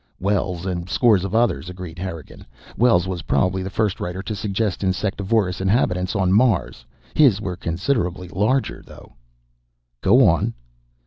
"Wells and scores of others," agreed Harrigan. "Wells was probably the first writer to suggest insectivorous inhabitants on Mars; his were considerably larger, though." "Go on."